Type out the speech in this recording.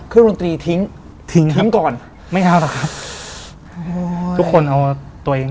เครื่องรุ่งตรีทิ้งทิ้งทิ้งก่อนไม่เอาหรอกครับโอ้โหทุกคนเอาตัวเอง